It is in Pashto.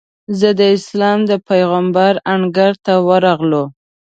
د اسلام د پېغمبر انګړ ته ورغلو.